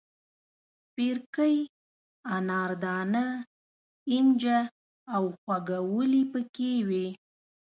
سپیرکۍ، اناردانه، اینجه او خواږه ولي پکې وې.